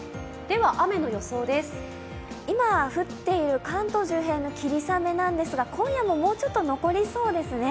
雨の予想です、今降っている関東周辺の霧雨なんですが今夜も、もうちょっと残りそうですね。